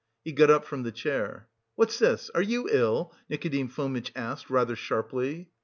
He got up from the chair. "What's this? Are you ill?" Nikodim Fomitch asked, rather sharply.